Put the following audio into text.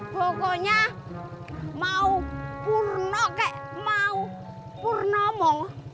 pokoknya mau purno kayak mau purnomo